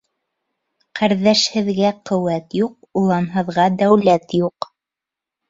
Ҡәрҙәшһеҙгә ҡеүәт юҡ, уланһыҙға дәүләт юҡ.